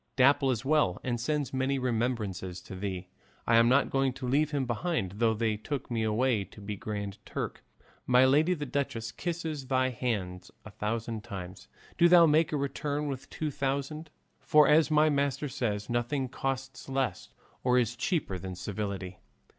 Dapple is well and sends many remembrances to thee; I am not going to leave him behind though they took me away to be Grand Turk. My lady the duchess kisses thy hands a thousand times; do thou make a return with two thousand, for as my master says, nothing costs less or is cheaper than civility.